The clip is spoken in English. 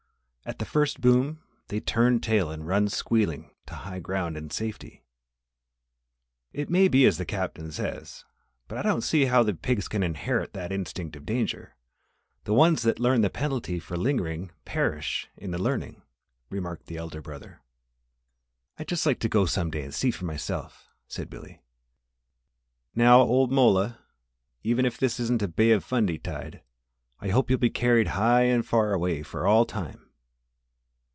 At the first boom they turn tail and run squealing to high ground and safety.'" "It may be as the Captain says, but I don't see how the pigs can inherit that instinct of danger the ones that learn of the penalty for lingering perish in the learning," remarked the elder brother. "I'd just like to go there some day and see for myself," said Billy. "Now, old mola, even if this isn't a Bay of Fundy tide, I hope you'll be carried high and away for all time."